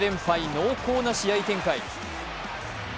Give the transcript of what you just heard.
濃厚な試合展開。